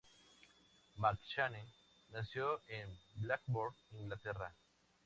McShane nació en Blackburn, Inglaterra.